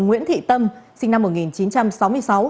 nguyễn thị tâm sinh năm một nghìn chín trăm sáu mươi sáu